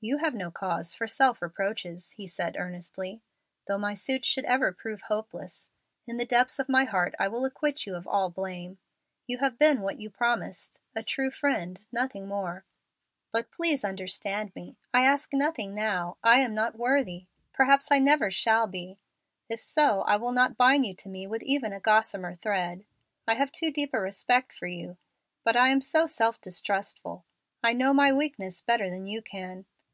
"You have no cause for self reproaches," he said, earnestly. "Though my suit should ever prove hopeless, in the depths of my heart I will acquit you of all blame. You have been what you promised a true friend, nothing more. But please understand me. I ask nothing now, I am not worthy. Perhaps I never shall be. If so, I will not bind you to me with even a gossamer thread. I have too deep a respect for you. But I am so self distrustful! I know my weakness better than you can.